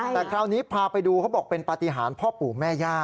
แต่คราวนี้พาไปดูเขาบอกเป็นปฏิหารพ่อปู่แม่ย่า